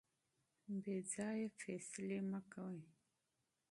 بې ځایه قضاوت مه کوئ.